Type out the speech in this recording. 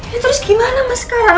ya terus gimana mas sekarang